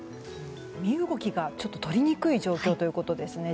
身動きがとりにくい状況ということですね。